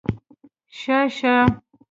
شه شه